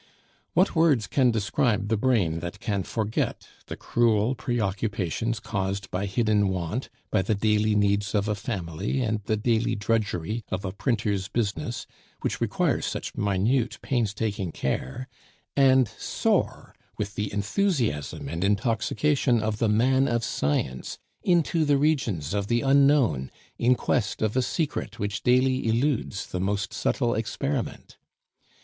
What words can describe the brain that can forget the cruel preoccupations caused by hidden want, by the daily needs of a family and the daily drudgery of a printer's business, which requires such minute, painstaking care; and soar, with the enthusiasm and intoxication of the man of science, into the regions of the unknown in quest of a secret which daily eludes the most subtle experiment?